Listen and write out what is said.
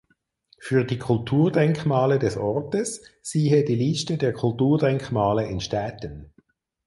Für die Kulturdenkmale des Ortes siehe die Liste der Kulturdenkmale in Städten.